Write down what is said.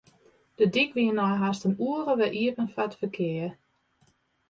De dyk wie nei hast in oere wer iepen foar it ferkear.